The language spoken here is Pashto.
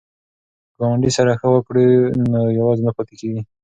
که ګاونډي سره ښه وکړو نو یوازې نه پاتې کیږو.